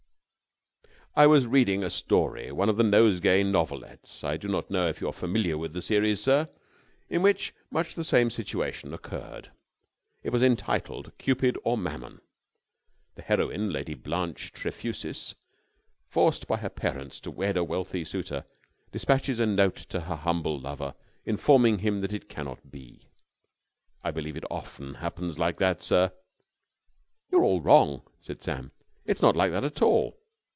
"I was reading a story one of the Nosegay Novelettes; I do not know if you are familiar with the series, sir? in which much the same situation occurred. It was entitled 'Cupid or Mammon!' The heroine, Lady Blanche Trefusis, forced by her parents to wed a wealthy suitor, despatches a note to her humble lover, informing him it cannot be. I believe it often happens like that, sir." "You're all wrong," said Sam. "It's not that at all."